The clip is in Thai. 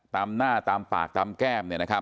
ตามหน้าตามปากตามแก้ม